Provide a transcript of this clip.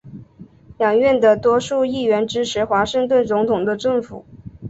两院的多数议员支持华盛顿总统的政府。